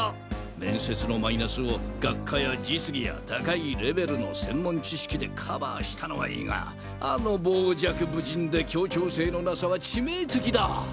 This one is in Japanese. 面接のマイナスを学科や実技や高いレベルの専門知識でカバーしたのはいいがあの傍若無人で協調性の無さは致命的だ。